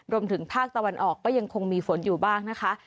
รวมถึงภาคตะวันออกก็ยังคงมีฝนอยู่บ้างนะคะ